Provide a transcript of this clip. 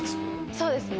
そうですね。